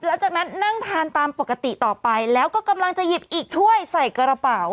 หลังจากนั้นนั่งทานตามปกติต่อไปแล้วก็กำลังจะหยิบอีกถ้วยใส่กระเป๋า